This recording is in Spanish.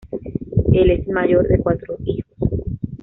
Él es el mayor de cuatro hijos.